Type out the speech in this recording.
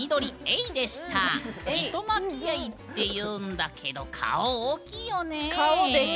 イトマキエイって言うんだけど顔、大きいよね。